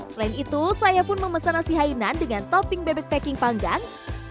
selain itu saya pun memesan nasi hainan dengan topping bebek packing panggang